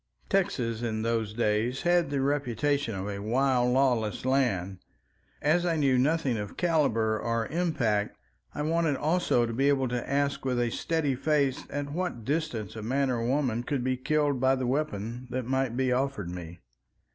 Texas in those days had the reputation of a wild lawless land. As I knew nothing of caliber or impact, I wanted also to be able to ask with a steady face at what distance a man or woman could be killed by the weapon that might be offered me.